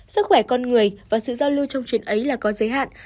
sức khỏe con người và sự giao lưu trong chuyện ấy là có giới hạn